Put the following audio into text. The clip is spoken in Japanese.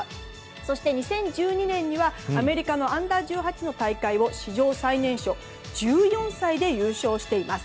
そして２０１２年にアメリカのアンダー１８の大会を史上最年少１４歳で優勝しています。